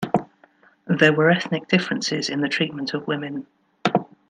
There were ethnic differences in the treatment of women.